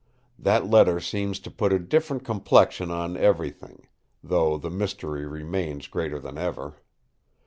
That letter seems to put a different complexion on everything; though the mystery remains greater than ever.